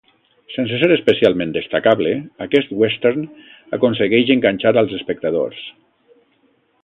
Sense ser especialment destacable, aquest western aconsegueix enganxar als espectadors.